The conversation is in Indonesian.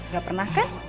gak pernah kan